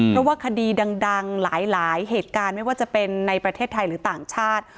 เพราะว่าคดีดังหลายเหตุการณ์ไม่ว่าจะเป็นในประเทศไทยหรือต่างชาติ